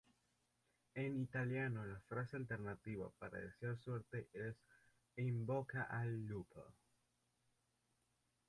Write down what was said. En italiano la frase alternativa para desear suerte es ""in bocca al lupo!